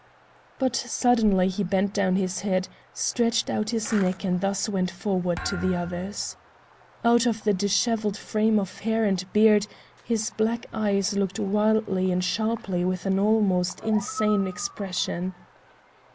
But suddenly he bent down his head, stretched out his neck and thus went forward to the others. Out of the disheveled frame of hair and beard his black eyes looked wildly and sharply with an almost insane expression.